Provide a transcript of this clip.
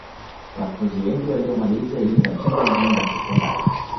wanafunzi wengi waliyomaliza elimu ya msingi walijiunga na sekondari